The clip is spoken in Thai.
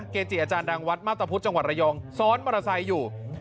เกจิอาจารย์ดังวัดมาตรพุทธจังหวัดระยองซ้อนมอเตอร์ไซค์อยู่